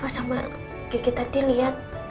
sama gigi tadi liat